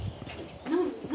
・何？